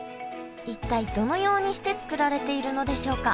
一体どのようにして作られているのでしょうか。